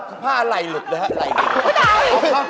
เสื้อผ้าไข่ลุดนะครับ